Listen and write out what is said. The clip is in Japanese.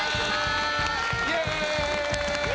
イエーイ！